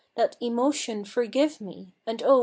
That emotion forgive me, and oh!